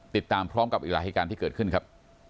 ติดตามพร้อมกับอีกหลายเหตุการณ์ที่เกิดขึ้นครับ